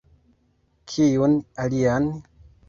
Kiun alian?